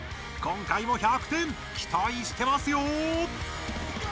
今回も１００点きたいしてますよ！